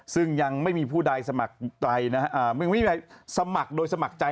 ซึ่งยังไม่มีผู้ใดสมัครใจนะฮะมึงไม่มีใครสมัครโดยสมัครใจ